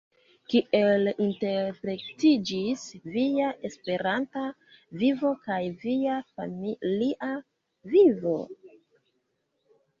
Kiel interplektiĝis via Esperanta vivo kaj via familia vivo?